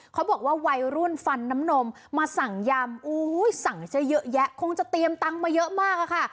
เขาบอกว่าวัยรุ่นฟันน้ำนมมาสั่งยามอื้อสั่งจะเยอะแยะคงจะเตรียมตั้งมาเยอะมากนะคะ